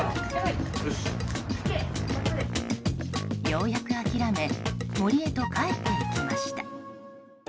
ようやく諦め森へと帰っていきました。